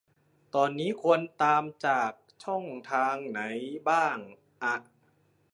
ตอนนี้ควรตามจากช่องทางไหนบ้างอะ ?